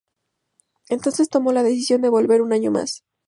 Entonces tomó la decisión de volver un año más.